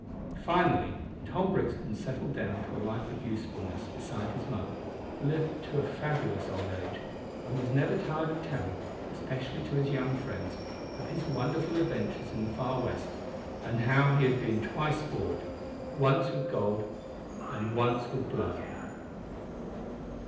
Finally, Tom Brixton settled down to a life of usefulness beside his mother who lived to a fabulous old age and was never tired of telling, especially to his young friends, of his wonderful adventures in the Far West and how he had been twice bought once with gold and once with blood. THE END.